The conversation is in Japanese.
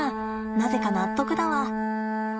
なぜか納得だわ。